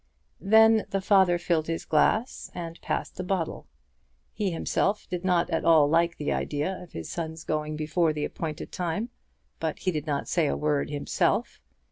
Then the father filled his glass and passed the bottle. He himself did not at all like the idea of his son's going before the appointed time, but he did not say a word of himself.